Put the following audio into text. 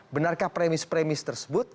benarkah premis premis tersebut